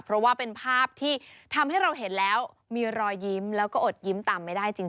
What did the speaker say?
เพราะว่าเป็นภาพที่ทำให้เราเห็นแล้วมีรอยยิ้มแล้วก็อดยิ้มตามไม่ได้จริง